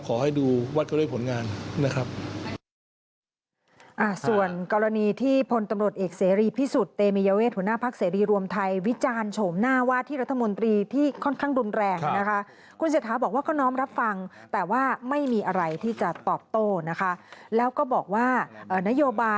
ขอให้ดูวัดเขาด้วยผลงานนะครับ